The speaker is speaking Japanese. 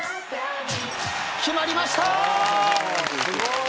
決まりました！